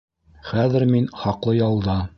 ...Хәҙер мин хаҡлы ялда.